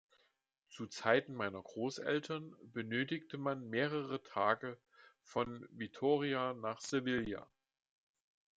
Zu Zeiten meiner Großeltern benötigte man mehrere Tage von Vitoria nach Sevilla.